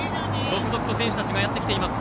続々と選手たちがやってきています。